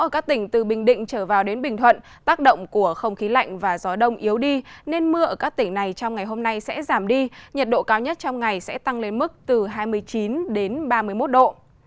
ở các tỉnh từ bình định trở vào đến bình thuận tác động của không khí lạnh và gió đông yếu đi nên mưa ở các tỉnh này trong ngày hôm nay sẽ giảm đi nhiệt độ cao nhất trong ngày sẽ tăng lên mức từ hai mươi chín đến ba mươi một độ